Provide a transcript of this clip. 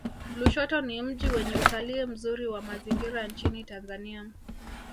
lushoto ni mji wenye utalii mzuri wa mazingira nchini tanzania